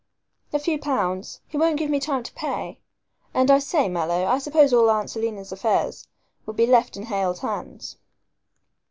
"A few pounds. He won't give me time to pay. And I say, Mallow, I suppose all Aunt Selina's affairs will be left in Hale's hands?"